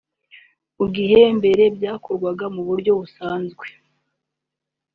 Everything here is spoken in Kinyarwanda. mugihe mbere byakorwaga mu buryo busanzwe